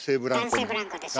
男性ブランコでしょ？